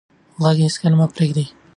غږ هېڅکله مه پرېږدئ.